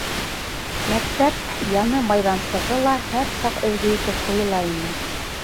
Мәктәп яны майҙансығы ла һәр саҡ өлгө итеп ҡуйыла ине.